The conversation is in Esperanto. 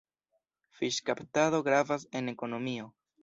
Fiŝkaptado gravas en ekonomio.